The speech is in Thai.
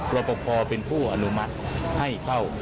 รอปภเป็นผู้อนุมัติให้เข้า